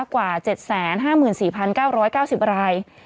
กว่า๗๕๔๙๙๐ราย